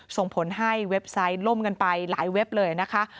ส่งผลให้เว็บไซต์ล่มกันไปหลายเว็บเลยนะคะ